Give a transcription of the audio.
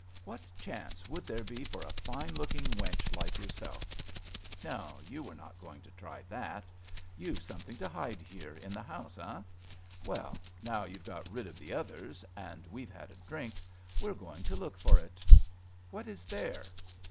What chance would there be for a fine looking wench like yourself? No, you were not going to try that. You've something to hide, here, in the house, eh? Well, now you've got rid of the others, and we've had a drink, we're going to look for it. What is there